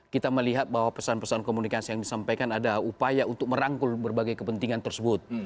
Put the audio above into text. kita melihat bahwa pesan pesan komunikasi yang disampaikan ada upaya untuk merangkul berbagai kepentingan tersebut